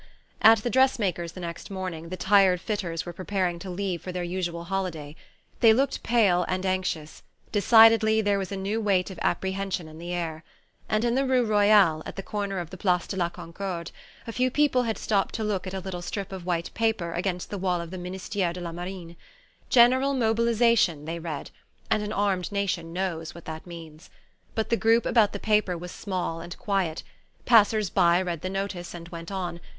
At the dressmaker's, the next morning, the tired fitters were preparing to leave for their usual holiday. They looked pale and anxious decidedly, there was a new weight of apprehension in the air. And in the rue Royale, at the corner of the Place de la Concorde, a few people had stopped to look at a little strip of white paper against the wall of the Ministere de la Marine. "General mobilization" they read and an armed nation knows what that means. But the group about the paper was small and quiet. Passers by read the notice and went on.